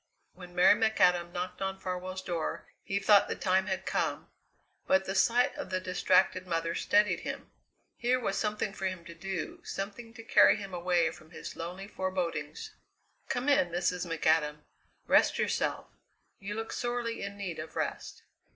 When Mary McAdam knocked on Farwell's door he thought the time had come, but the sight of the distracted mother steadied him. Here was something for him to do, something to carry him away from his lonely forebodings. "Come in, Mrs. McAdam. Rest yourself. You look sorely in need of rest."